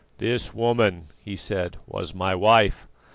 "This woman," he said, "was my wife.